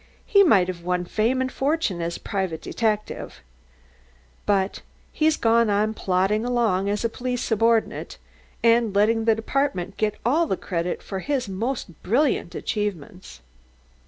He might have won fame and fortune as a private detective. But he's gone on plodding along as a police subordinate, and letting the department get all the credit for his most brilliant achievements.